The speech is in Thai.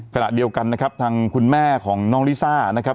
ขณะเดียวกันนะครับทางคุณแม่ของน้องลิซ่านะครับ